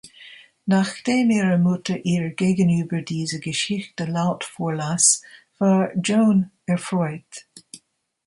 Nachdem ihre Mutter ihr gegenüber diese Geschichte laut vorlas, war Joan erfreut.